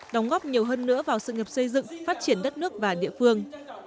đóng góp nhiều hơn nữa vào sự nghiệp xây dựng phát triển đất nước và địa phương